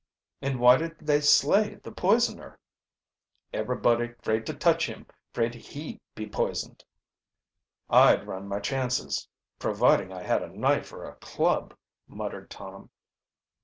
"And why didn't they slay the poisoner?" "Eberybody 'fraid to touch him 'fraid he be poisoned." "I'd run my chances providing I had a knife or a club," muttered Tom.